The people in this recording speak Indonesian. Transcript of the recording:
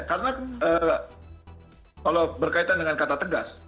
karena kalau berkaitan dengan kata tegas